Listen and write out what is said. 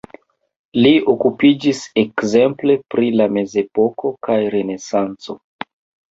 Li okupiĝis ekzemple pri la mezepoko kaj renesanco.